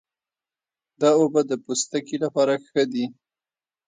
دا اوبه د پوستکي لپاره ښې دي.